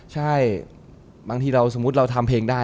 ใช่บางทีเราสมมุติเราทำเพลงได้